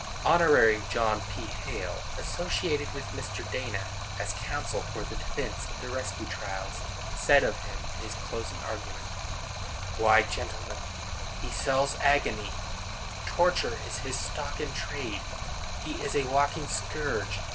] Hon. John P. Hale, associated with Mr. Dana, as counsel for the defence, in the Rescue Trials, said of him, in his closing argument: Why, gentlemen, he sells agony! Torture is his stock in trade! He is a walking scourge!